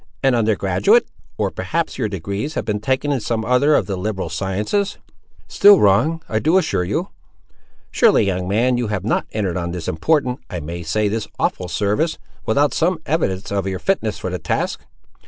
"An under graduate!—or perhaps your degrees have been taken in some other of the liberal sciences?" "Still wrong, I do assure you." "Surely, young man, you have not entered on this important—I may say, this awful service, without some evidence of your fitness for the task!